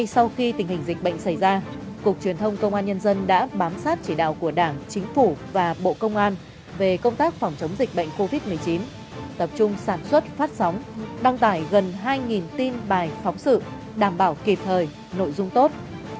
sau khi tình hình dịch bệnh xảy ra cục truyền thông công an nhân dân đã bám sát chỉ đạo của đảng chính phủ và bộ công an về công tác phòng chống dịch bệnh covid một mươi chín tập trung sản xuất phát sóng đăng tải gần hai tin bài phóng sự đảm bảo kịp thời nội dung tốt